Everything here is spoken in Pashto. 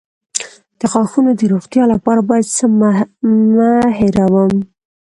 د غاښونو د روغتیا لپاره باید څه مه هیروم؟